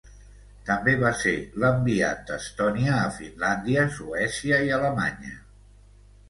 També va ser l'enviat d'Estònia a Finlàndia, Suècia i Alemanya.